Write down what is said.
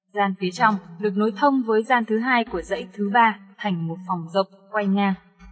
gian phía trong được nối thông với gian thứ hai của dãy thứ ba thành một phòng dọc quay nha